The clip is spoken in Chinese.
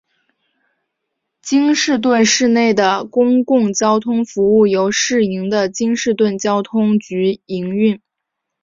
京士顿市内的公共交通服务由市营的京士顿交通局营运。